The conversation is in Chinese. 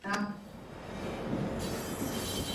乾隆四十八年担任台湾北路协副将。